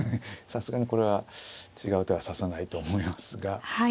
さすがにこれは違う手は指さないと思いますが。